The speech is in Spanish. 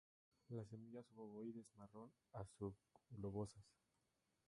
Las semillas obovoides marrón, a subglobosas.